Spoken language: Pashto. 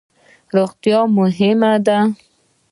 روغتیا مهمه ده